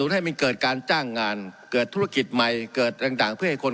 ให้มันเกิดการจ้างงานเกิดธุรกิจใหม่เกิดต่างเพื่อให้คน